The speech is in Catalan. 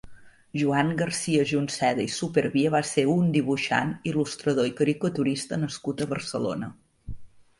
Joan García Junceda i Supervia va ser un dibuixant, il·lustrador i caricaturista nascut a Barcelona.